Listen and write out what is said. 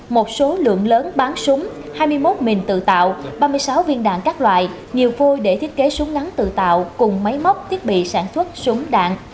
một số lượng lớn bán súng hai mươi một mình tự tạo ba mươi sáu viên đạn các loại nhiều phôi để thiết kế súng ngắn tự tạo cùng máy móc thiết bị sản xuất súng đạn